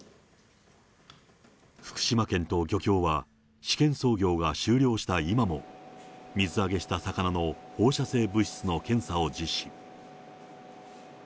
福島県と漁協は、試験操業が終了した今も、水揚げした魚の放射性物質の検査を実施。